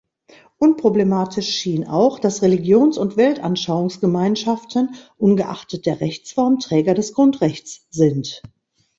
Unproblematisch schien auch, dass Religions- und Weltanschauungsgemeinschaften ungeachtet der Rechtsform Träger des Grundrechts sind.